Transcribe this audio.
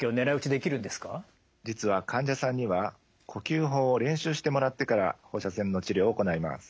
実は患者さんには呼吸法を練習してもらってから放射線の治療を行います。